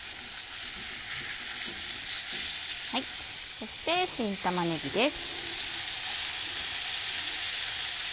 そして新玉ねぎです。